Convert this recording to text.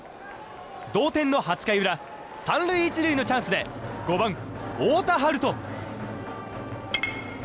同点の８回裏３塁１塁のチャンスで５番、太田遥斗。